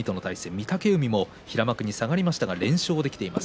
御嶽海も平幕に下がりましたが連勝できています。